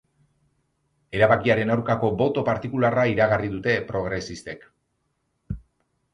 Erabakiaren aurkako boto partikularra iragarri dute progresistek.